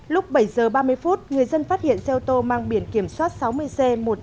lúc bảy h ba mươi người dân phát hiện xe ô tô mang biển kiểm soát sáu mươi c một mươi chín nghìn sáu trăm tám mươi bốn